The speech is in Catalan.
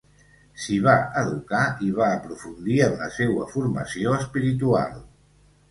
S'hi va educar i va aprofundir en la seua formació espiritual.